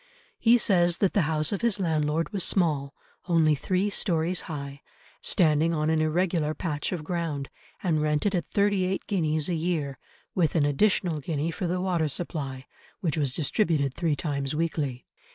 He says that the house of his landlord was small, only three storeys high, standing on an irregular patch of ground, and rented at thirty eight guineas a year, with an additional guinea for the water supply, which was distributed three times weekly.